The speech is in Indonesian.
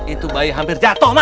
itu bayi hampir jatoh ma